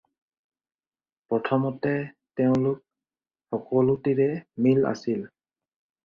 প্ৰথমতে তেওঁলোক সকলোটিৰে মিল আছিল।